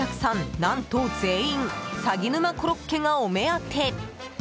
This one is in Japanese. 何と全員さぎ沼コロッケがお目当て！